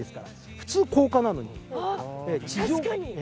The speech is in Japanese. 普通高架なのに。